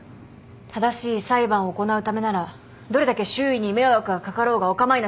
正しい裁判を行うためならどれだけ周囲に迷惑が掛かろうがお構いなし。